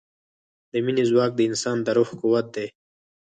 د مینې ځواک د انسان د روح قوت دی.